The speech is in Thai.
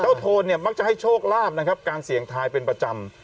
โทนเนี่ยมักจะให้โชคลาภนะครับการเสี่ยงทายเป็นประจำ